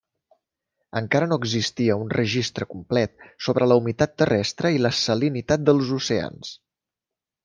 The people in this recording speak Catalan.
Encara no existia un registre complet sobre la humitat terrestre i la salinitat dels oceans.